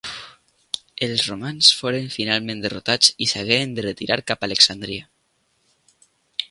Els romans foren finalment derrotats i s'hagueren de retirar cap a Alexandria.